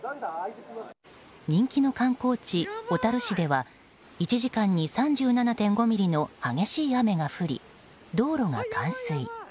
人気の観光地・小樽市では１時間に３７．５ミリの激しい雨が降り、道路が冠水。